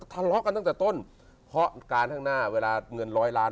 ทะเลาะกันตั้งแต่ต้นเพราะการข้างหน้าเวลาเงินร้อยล้าน